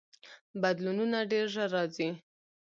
بدلونونه ډیر ژر راځي.